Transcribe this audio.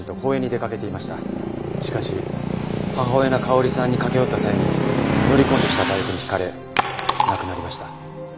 しかし母親の香織さんに駆け寄った際に乗り込んできたバイクにひかれ亡くなりました。